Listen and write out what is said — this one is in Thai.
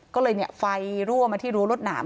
ก็เลยไฟร่วมมาที่หลัวรถหนาม